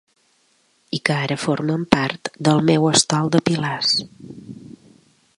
I que ara formen part del meu estol de pilars.